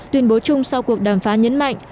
tuyên bố chung sau cuộc đàm phán nhấn mạnh